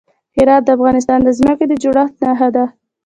هرات د افغانستان د ځمکې د جوړښت نښه ده.